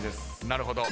なるほど。